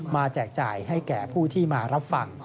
แจกจ่ายให้แก่ผู้ที่มารับฟัง